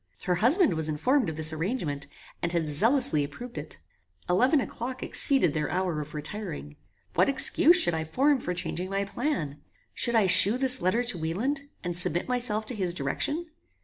Her husband was informed of this arrangement, and had zealously approved it. Eleven o'clock exceeded their hour of retiring. What excuse should I form for changing my plan? Should I shew this letter to Wieland, and submit myself to his direction?